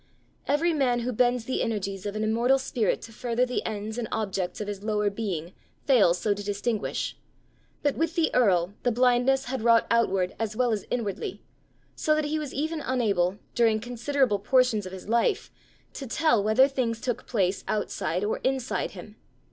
Every man who bends the energies of an immortal spirit to further the ends and objects of his lower being, fails so to distinguish; but with the earl the blindness had wrought outward as well as inwardly, so that he was even unable, during considerable portions of his life, to tell whether things took place outside or inside him.